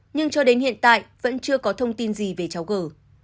nhưng cho đến hiện tại vẫn chưa có thông tin gì về cháu cử